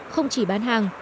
không chỉ bán hàng